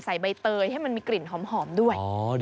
ใบเตยให้มันมีกลิ่นหอมด้วย